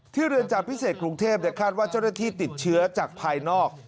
เรือนจำพิเศษกรุงเทพคาดว่าเจ้าหน้าที่ติดเชื้อจากภายนอก